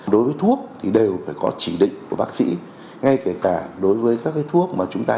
đối với thuốc thì đều phải có chỉ định của bác sĩ ngay kể cả đối với các thuốc mà chúng ta